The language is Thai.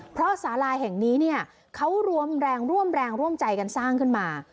เพราะสาลาแห่งนี้เนี่ยเขารวมแรงร่วมแรงร่วมใจกันสร้างขึ้นมา